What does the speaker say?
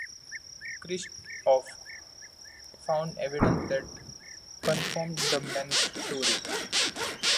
Kristof found evidence that confirmed the man's story.